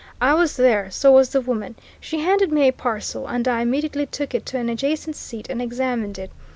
I was there so was the woman. She handed me a parcel, and I immediately took it to an adjacent seat and examined it.